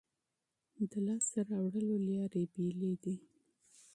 د لاسته راوړلو لارې بېلې دي.